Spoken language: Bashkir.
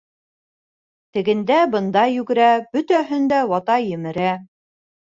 Тегендә-бында йүгерә, бөтәһен дә вата-емерә.